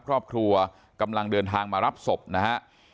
กำลังเดินทางมารับศพนะฮะ